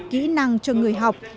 kỹ năng cho người học